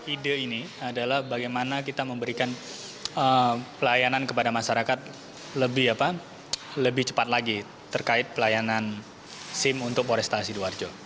ide ini adalah bagaimana kita memberikan pelayanan kepada masyarakat lebih cepat lagi terkait pelayanan sim untuk polresta sidoarjo